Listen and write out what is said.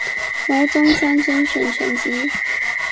牟宗三先生全集